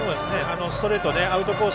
ストレートでアウトコース